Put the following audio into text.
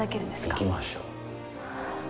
行きましょう。